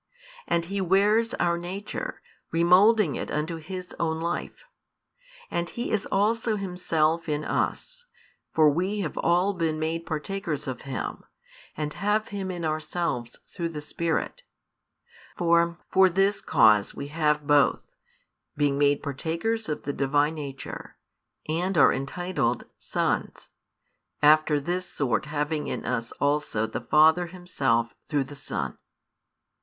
And He wears our nature, remoulding it unto His own Life. And He is also Himself in us; for we have all been made partakers of Him, and have Him in ourselves through the Spirit; for, for this cause we have Both, being made partakers of the Divine Nature, and are entitled sons, after this sort having in us also the Father Himself through the Son.